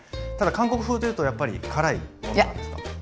ただ韓国風というとやっぱり辛いものなんですか？